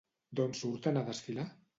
D'on surten a desfilar?